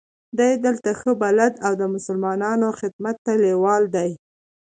دی دلته ښه بلد او د مسلمانانو خدمت ته لېواله دی.